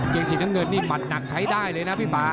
เกงสีน้ำเงินนี่หมัดหนักใช้ได้เลยนะพี่ป่า